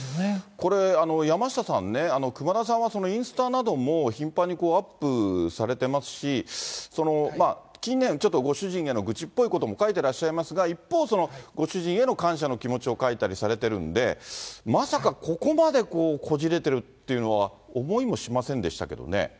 これ、山下さんね、熊田さんはインスタなども頻繁にアップされてますし、近年、ちょっとご主人への愚痴っぽいことも書いてらっしゃいますが、一方、ご主人への感謝の気持ちを書いたりされてるんで、まさかここまでこう、こじれてるというのは思いもしませんでしたけどね。